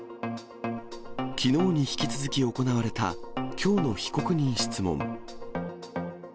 きのうに引き続き行われた、きょうの被告人質問。